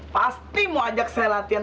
pasti mau ajak saya latihan